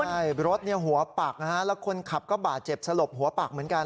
ใช่รถหัวปักนะฮะแล้วคนขับก็บาดเจ็บสลบหัวปักเหมือนกัน